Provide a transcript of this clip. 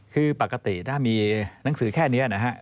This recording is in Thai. คือปกติถ้ามีหนังสือแค่นี้นะฮะ